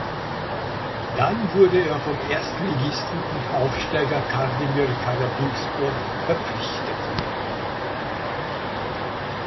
Dann wurde er vom Erstligisten und Aufsteiger Kardemir Karabükspor verpflichtet.